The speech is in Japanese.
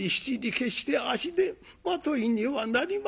決して足手まといにはなりませんぞ」。